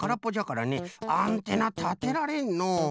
アンテナたてられんのう。